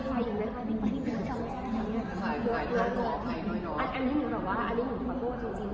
ให้อย่างเมื่อกี้ถ่ายเหล้าการแม่พูดเพราะแบบเยี่ยมน้องแอพแบบเยี่ยม